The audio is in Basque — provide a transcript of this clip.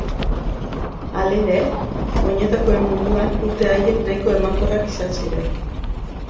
Halere, oinetakoen munduan urte haiek nahiko emankorrak izan ziren.